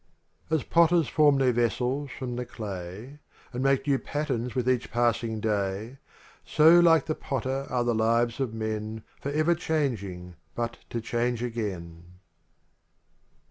L3HX As potters form their vessels from the clay And make new patterns with each passing day, So like the porter are the lives of men Forever changing tut to change again.